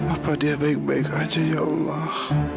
apa dia baik baik aja ya allah